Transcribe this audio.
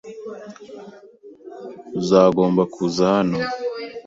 Uzagomba kuza hano.